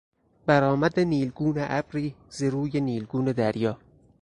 برآمد نیلگون ابری زروی نیلگون دریا